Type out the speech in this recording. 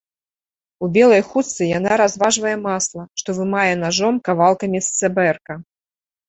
У белай хустцы яна разважвае масла, што вымае нажом кавалкамі з цабэрка.